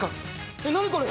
えっ何これ？